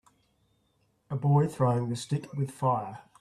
A boy throwing the stick with fire.